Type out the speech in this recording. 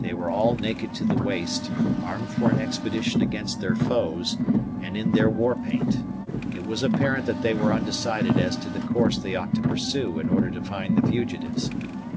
They were all naked to the waist, armed for an expedition against their foes, and in their warpaint. It was apparent that they were undecided as to the course they ought to pursue in order to find the fugitives.